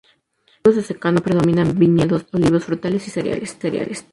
En los cultivos de secano predominan viñedos, olivos, frutales y cereales.